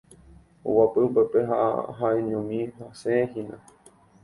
Oguapy upépe ha'eñomi ha hasẽhína.